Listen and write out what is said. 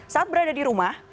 saat berada di rumah